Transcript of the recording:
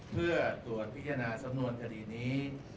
เพื่อตรวจพิจารณาสำนวนคดีนี้